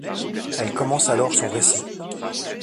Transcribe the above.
Elle commence alors son récit.